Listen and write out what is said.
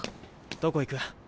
どこ行く？